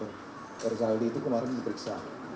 pak rizaldi itu kemarin diperiksa